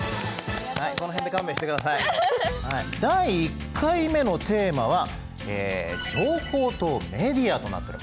第１回目のテーマは「情報とメディア」となっております。